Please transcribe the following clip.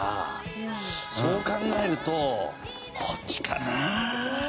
そう考えるとこっちかな？